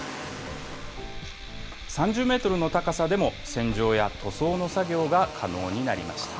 ３０メートルの高さでも、洗浄や塗装の作業が可能になりました。